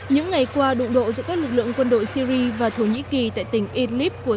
những ngày qua đụng độ giữa các lực lượng quân đội syri và thổ nhĩ kỳ tại tỉnh idlib của